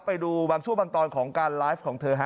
ไปดูบางช่วงบางตอนของการไลฟ์ของเธอฮะ